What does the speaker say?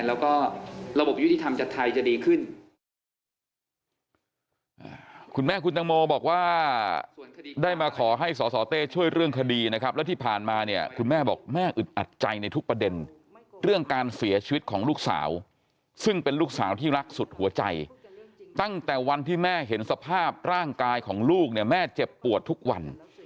แล้วก็ระบบยุติธรรมจากไทยจะดีขึ้น